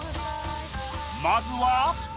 まずは。